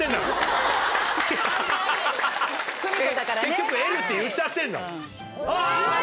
結局「エル」って言っちゃってんだもん。